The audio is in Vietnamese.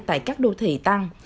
tại các đô thị tăng